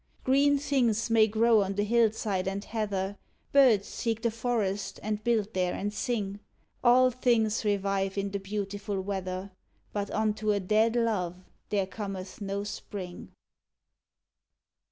Green things may grow on the hillside and heather, Birds seek the forest and build there and sing. All things revive in the beautiful weather, But unto a dead love there cometh no Spring.